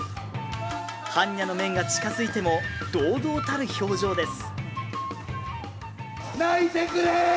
般若の面が近づいても堂々たる表情です。